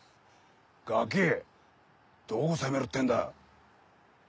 ガキどこ攻めるってんだ？